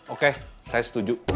oke saya setuju